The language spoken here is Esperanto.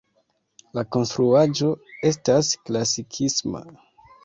La konstruaĵo estas klasikisma.